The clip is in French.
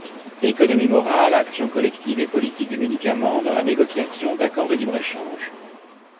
Économies morales, actions collectives et politiques du médicament dans la négociation d'accords de libre-échange.